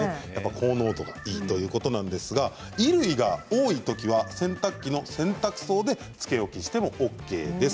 高濃度がいいということなんですが衣類が多いときは洗濯機の洗濯槽でつけ置きしてもＯＫです。